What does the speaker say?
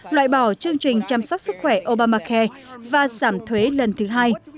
loại bỏ chương trình chăm sóc sức khỏe obamacare và giảm thuế lần thứ hai